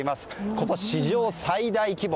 今年史上最大規模。